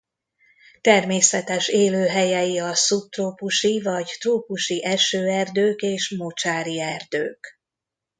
Természetes élőhelyei a szubtrópusi vagy trópusi esőerdők és mocsári erdők.